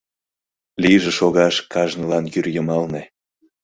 Лийже шогаш кажнылан йӱр йымалне